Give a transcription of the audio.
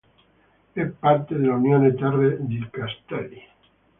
È parte dell'Unione Terre di Castelli.